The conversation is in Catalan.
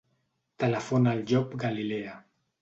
Telefona al Llop Galilea.